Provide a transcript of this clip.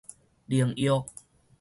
靈藥